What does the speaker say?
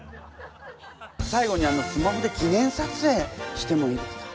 最後にスマホで記念さつえいしてもいいですか？